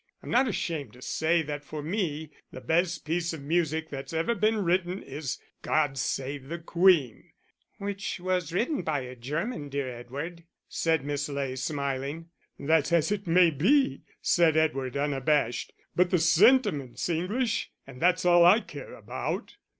I'm not ashamed to say that for me the best piece of music that's ever been written is God Save the Queen." "Which was written by a German, dear Edward," said Miss Ley, smiling. "That's as it may be," said Edward, unabashed, "but the sentiment's English and that's all I care about."